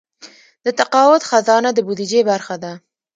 د تقاعد خزانه د بودیجې برخه ده